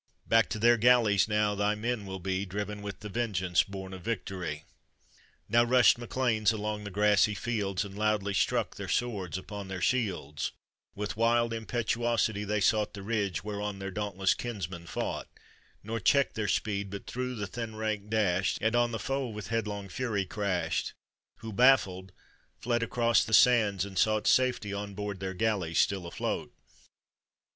Back to their galleys now thy men will be Driven with the vengeance Ixmi of victory! Now rushed Mac Leans along the ^rawy flleds And loudly struck their sword* upon their shields, With wild impetuosity they sought The ridge whereon their dauntless kinsmen fought, Nor checked their speed, but thro the thin rank dashed, And on the ('(>•• with headlong fury crashed, Who, baffled, fled across the sand*, and sought Safety on board their galleys still afloat.